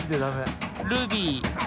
ルビー。